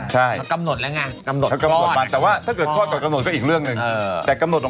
ใช่มันกำหนดแล้วไงกำหนดกฏ